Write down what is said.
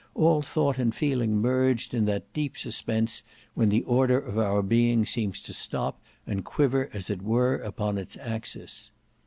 All thought and feeling merged in that deep suspense when the order of our being seems to stop and quiver as it were upon its axis.